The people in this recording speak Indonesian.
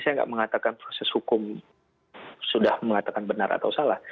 saya tidak mengatakan proses hukum sudah mengatakan benar atau salah